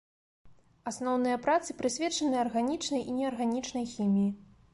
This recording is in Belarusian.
Асноўныя працы прысвечаны арганічнай і неарганічнай хіміі.